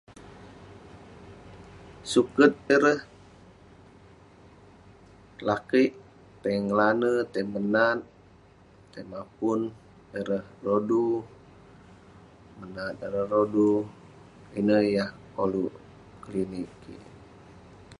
Suket ireh lakeik tai ngelane tai menat tai mapun ireh rodu menat ireh rodu ineh yah koluk kelinek kik